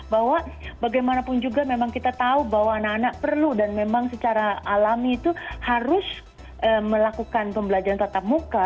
bahwa bagaimanapun juga memang kita tahu bahwa anak anak perlu dan memang secara alami itu harus melakukan pembelajaran tatap muka